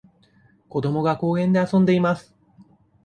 子どもが公園で遊んでいます。